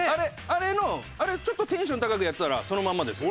あれのあれをちょっとテンション高くやったらそのまんまです。